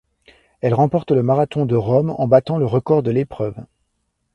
Elle remporte le marathon de Rome en battant le record de l'épreuve.